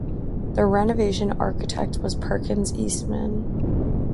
The renovation architect was Perkins Eastman.